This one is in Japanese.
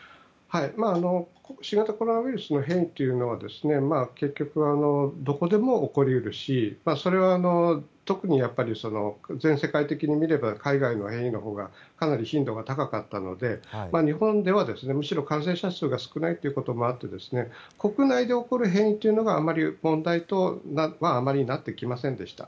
新型コロナウイルスの変異というのは結局、どこでも起こり得るしそれは特にやっぱり全世界的に見れば海外の変異のほうがかなり頻度が高かったので日本では、むしろ感染者数も少ないということもあって国内で起こる変異があまり問題とはあまりなってきませんでした。